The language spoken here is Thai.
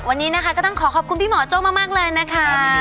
วันนี้นะคะก็ต้องขอขอบคุณพี่หมอโจ้มากเลยนะคะ